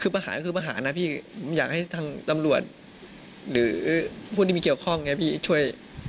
ผมอยากให้ทั้งตำรวจหรือพูดที่มีเกี่ยวข้องไงพี่ช่วย